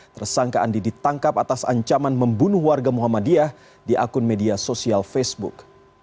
tersangka andi ditangkap atas ancaman membunuh warga muhammadiyah di akun media sosial facebook